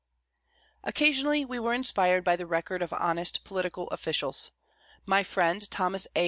Occasionally, we were inspired by the record of honest political officials. My friend Thomas A.